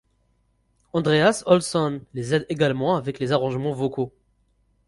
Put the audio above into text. Andreas Olsson les aide également avec les arrangements vocaux.